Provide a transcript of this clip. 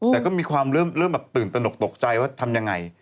แต่ก็มีความเริ่มแบบตื่นตนกตกใจว่าทำยังไง